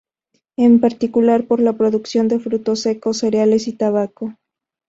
En particular por la producción de frutos secos, cereales y tabaco.